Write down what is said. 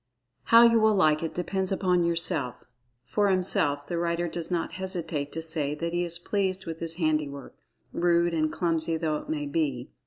How you will like it depends upon yourself. For himself, the writer does not hesitate to say that he is pleased with his handiwork, rude, and clumsy though it may be.